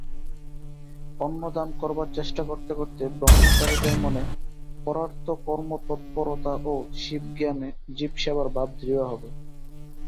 অন্নদান করবার চেষ্টা করতে করতে ব্রহ্মচারীদের মনে পরার্থকর্মতৎপরতা ও শিবজ্ঞানে জীবসেবার ভাব দৃঢ় হবে।